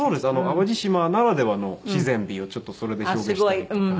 淡路島ならではの自然美をちょっとそれで表現したりとか。